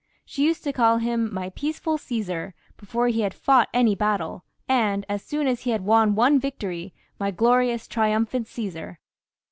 She used to call him " my peaceful Csesar " before he had fought any battle, and as soon as he had won one victory, "my glorious, triumphant Caesar."